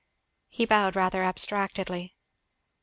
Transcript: He bowed rather abstractedly.